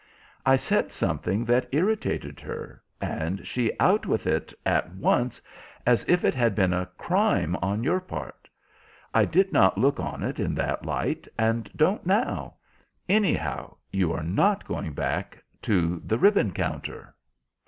I said something that irritated her and she out with it at once as if it had been a crime on your part. I did not look on it in that light, and don't now. Anyhow, you are not going back to the ribbon counter."